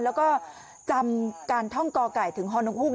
แล้วก็จำการท่องก่อไก่ถึงฮอร์นภูมิ